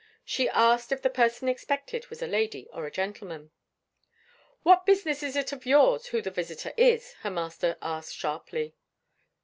She asked if the person expected was a lady or a gentleman. "What business is it of yours who the visitor is?" her master asked sharply.